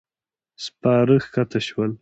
سپاره کښته شول.